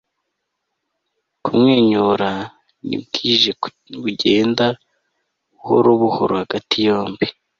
kumwenyura ni bwije bugenda buhoro buhoro hagati yombi